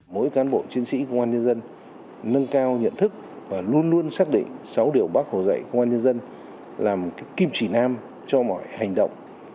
mỗi cán bộ chiến sĩ công an nhân dân nâng cao nhận thức và luôn luôn xác định sáu điều bác hồ dạy công an nhân dân là một kim chỉ nam cho mọi hành động